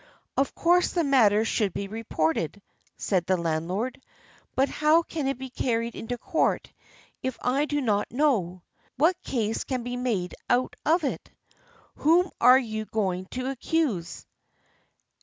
^'Of course the matter should be reported," said the landlord, ''but how it can be carried into court I do not know. What case can be made out of it? Whom are you going to accuse?